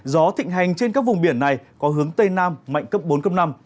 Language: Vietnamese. gió thịnh hành trên các vùng biển này có hướng tây nam mạnh cấp bốn cấp năm